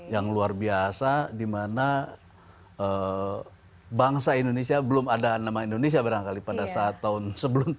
yang luar biasa dimana bangsa indonesia belum ada nama indonesia barangkali pada saat tahun sebelum seribu sembilan ratus empat puluh lima